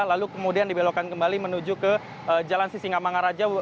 lalu kemudian dibelokkan kembali menuju ke jalan sisingamangaraja